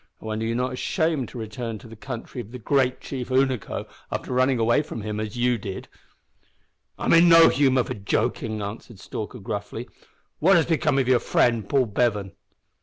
I wonder you're not ashamed to return to the country of the great chief Unaco after running away from him as you did." "I'm in no humour for joking," answered Stalker, gruffly. "What has become of your friend Paul Bevan?"